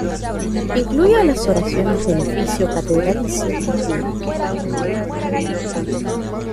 Incluía las oraciones del Oficio catedralicio festivo.